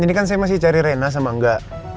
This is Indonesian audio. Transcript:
ini kan saya masih cari rena sama enggak